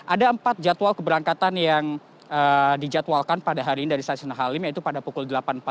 ada empat jadwal keberangkatan yang dijadwalkan pada hari ini dari stasiun halim yaitu pada pukul delapan empat puluh lima sembilan empat puluh lima